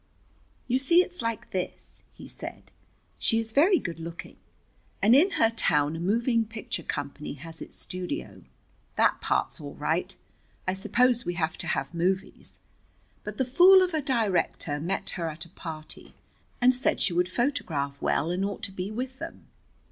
"You see, it's like this," he said: "She is very good looking, and in her town a moving picture company has its studio. That part's all right. I suppose we have to have movies. But the fool of a director met her at a party, and said she would photograph well and ought to be with them.